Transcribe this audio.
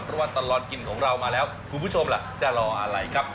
เพราะว่าตลอดกินของเรามาแล้วคุณผู้ชมล่ะจะรออะไรครับ